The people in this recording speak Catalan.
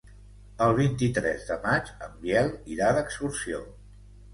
El vint-i-tres de maig en Biel irà d'excursió.